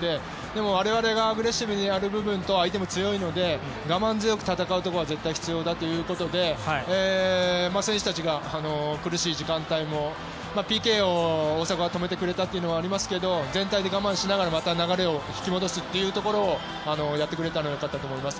でも、我々がアグレッシブにやる部分と相手も強いので我慢強くやるところは必要だということで選手たちが苦しい時間帯もＰＫを大迫が止めてくれたというのもありますが全体で我慢しながら流れを取り戻すということをやってくれたのは良かったと思います。